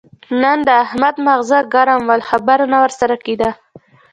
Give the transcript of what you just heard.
نن د احمد ماغزه ګرم ول؛ خبره نه ور سره کېده.